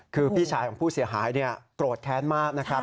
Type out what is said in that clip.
คือพี่ชายของผู้เสียหายโกรธแค้นมากนะครับ